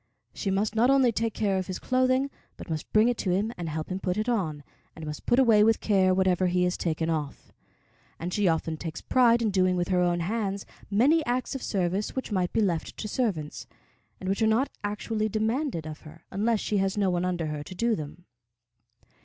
She must not only take care of his clothing, but must bring it to him and help him put it on, and must put away with care whatever he has taken off; and she often takes pride in doing with her own hands many acts of service which might be left to servants, and which are not actually demanded of her, unless she has no one under her to do them.